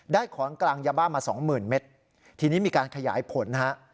ได้ของกลางยาบ้ามา๒๐๐๐๐เมตรทีนี้มีการขยายผลนะฮะ